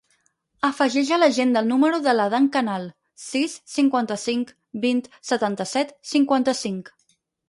Afegeix a l'agenda el número de l'Adán Canal: sis, cinquanta-cinc, vint, setanta-set, cinquanta-cinc.